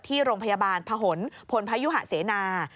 ที่โรงพยาบาลพพพศเสนา